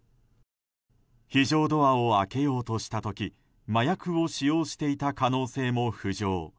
非常ドアを開けようとした時麻薬を使用していた可能性も浮上。